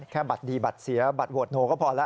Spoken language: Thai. บัตรดีบัตรเสียบัตรโหวตโนก็พอแล้ว